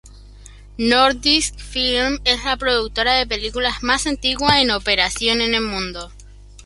Nordisk Film es la productora de películas más antigua en operación en el mundo.